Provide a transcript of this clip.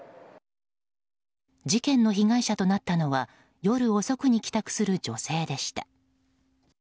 事件の被害者となったのは夜遅くに帰宅する女性でした。